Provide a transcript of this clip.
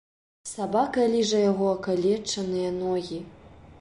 Сабака ліжа яго акалечаныя ногі.